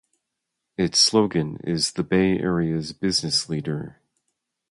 Its slogan is The Bay Area's Business Leader.